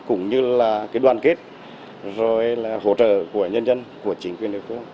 cũng như là đoàn kết rồi là hỗ trợ của nhân dân của chính quyền nước phố